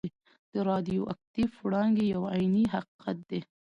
د راډیو اکټیف وړانګې یو عیني حقیقت دی.